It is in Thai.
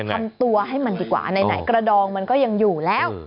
ทำตัวให้มันดีกว่าไหนกระดองมันก็ยังอยู่แล้ว